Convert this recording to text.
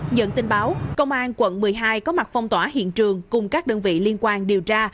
nhận tin báo công an quận một mươi hai có mặt phong tỏa hiện trường cùng các đơn vị liên quan điều tra